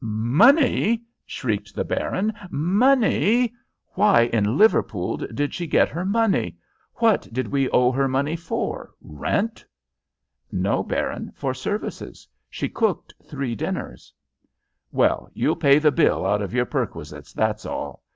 "Money!" shrieked the baron. "Money! Why in Liverpool did she get her money? What did we owe her money for? Rent?" "No, Baron; for services. She cooked three dinners." "Well, you'll pay the bill out of your perquisites, that's all.